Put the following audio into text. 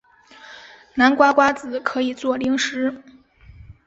南瓜瓜子可以做零食。